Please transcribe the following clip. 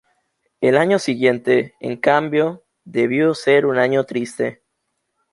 El año siguiente, en cambio, debió ser un año triste.